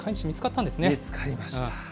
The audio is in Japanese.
見つかりました。